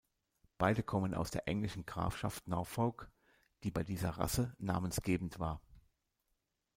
Beide kommen aus der englischen Grafschaft Norfolk, die bei dieser Rasse namensgebend war.